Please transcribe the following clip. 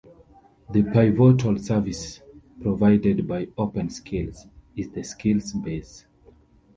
The pivotal service provided by OpenSkills is the SkillsBase.